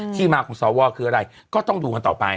ที่มาของสวคืออะไรก็ต้องดูกันต่อไป